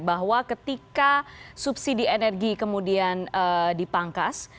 bahwa ketika subsidi energi kemudian dipangkas